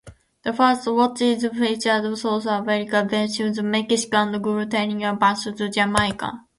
The first matches featured South Africa versus Mexico and Guatemala versus Jamaica.